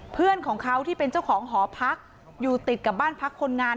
เพื่อนของเขาที่เป็นเจ้าของหอพักอยู่ติดกับบ้านพักคนงาน